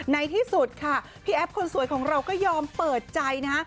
ในที่สุดค่ะพี่แอฟคนสวยของเราก็ยอมเปิดใจนะฮะ